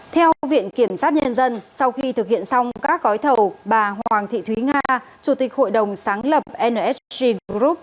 theo viện kiểm sát nhân dân sau khi thực hiện xong các gói thầu bà hoàng thị thúy nga chủ tịch hội đồng sáng lập nsg group